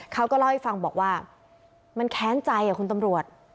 เขาก็เล่าให้ฟังบอกว่ามันแค้นใจคุณตำรวจ